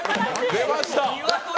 出ました！